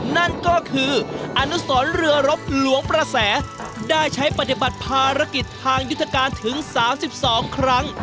นั่นก็คืออนุสรเรือรบหลวงประแสได้ใช้ปฏิบัติภารกิจทางยุทธการถึง๓๒ครั้ง